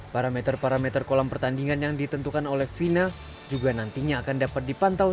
parameter parameter kolam pertandingan yang ditentukan oleh fina juga nantinya akan dapat dipantau